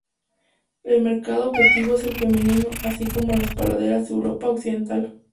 El mercado objetivo es el femenino, así como los paladares de Europa occidental.